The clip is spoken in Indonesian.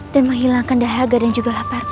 dan menghilangkan dahaga dan juga laparku